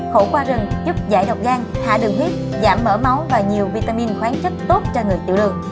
khẩu qua rừng giúp giải độc gan hạ đường huyết giảm mở máu và nhiều vitamin khoáng chất tốt cho người tiểu đường